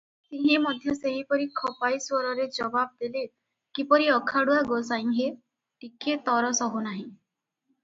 ସିଂହେ ମଧ୍ୟ ସେହିପରି ଖପାଇ ସ୍ୱରରେ ଜବାବ ଦେଲେ, "କିପରି ଅଖାଡ଼ୁଆ ଗୋସେଇଁ ହେ, ଟିକିଏ ତର ସହୁନାହିଁ?"